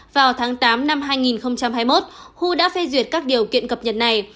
vào tháng tám năm hai nghìn hai mươi một khu đã phê duyệt các điều kiện cập nhật này